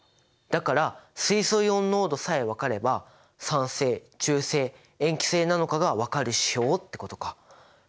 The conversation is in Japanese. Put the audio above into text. だから水素イオン濃度さえ分かれば酸性中性塩基性なのかが分かる指標ってことか。